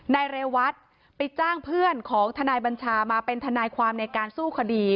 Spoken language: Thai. นายเรวัตไปจ้างเพื่อนของทนายบัญชามาเป็นทนายความในการสู้คดี